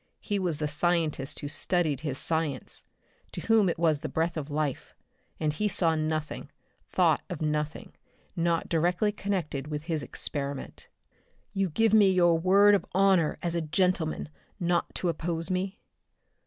He was the scientist who studied his science, to whom it was the breath of life, and he saw nothing, thought of nothing, not directly connected with his "experiment." "You give me your word of honor as a gentleman not to oppose me?"